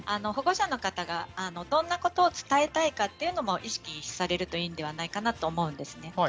保護者の方がどんなことを伝えたいかというのも意識されるといいのではないかなと思うんですね。